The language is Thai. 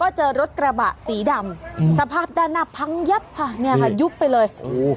เจอรถกระบะสีดำสภาพด้านหน้าพังยับค่ะเนี่ยค่ะยุบไปเลยโอ้โห